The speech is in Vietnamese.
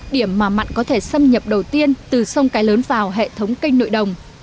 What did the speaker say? điểm mà mặn có thể xâm nhập đầu tiên từ sông cái lớn vào hệ thống kênh nội đồng